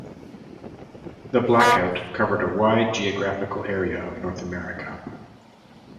The blackout covered a wide geographical area of North America.